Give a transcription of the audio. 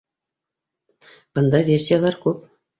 бында версиялар күп